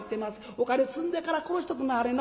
お金積んでから殺しとくんなはれな。